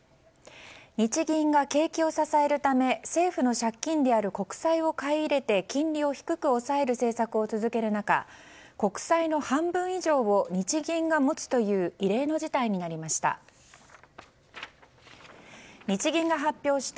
日銀が景気を支えるため政府の借金である国債を買い入れて金利を低く抑える政策を続ける中国債の半分以上を日銀が持つという異例の事態になりました。